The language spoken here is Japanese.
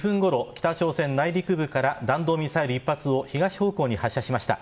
北朝鮮内陸部から弾道ミサイル１発を東方向に発射しました。